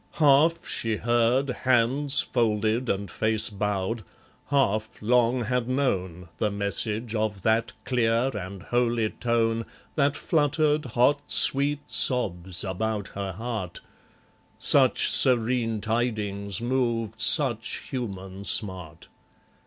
Half she heard, Hands folded and face bowed, half long had known, The message of that clear and holy tone, That fluttered hot sweet sobs about her heart; Such serene tidings moved such human smart.